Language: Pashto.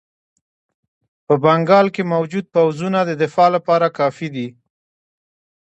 په بنګال کې موجود پوځونه د دفاع لپاره کافي دي.